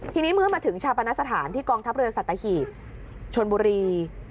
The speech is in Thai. ทีนี้เมื่อมาถึงชาปนสถานที่กองทัพเรือสัตหีบชนบุรี